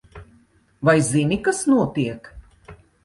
Vai zini, kas notiek?